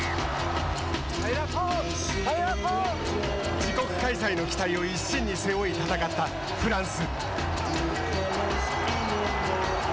自国開催の期待を一身に背負い戦ったフランス。